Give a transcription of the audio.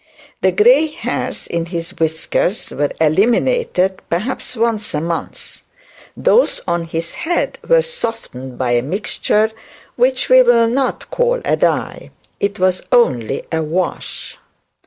The grey hairs in his whiskers were eliminated perhaps once a month; those on his head were softened by a mixture which we will not call a dye; it was only a wash.